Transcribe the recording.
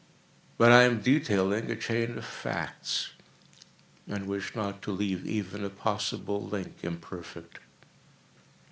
But I am detailing a chain of facts—and wish not to leave even a possible link imperfect.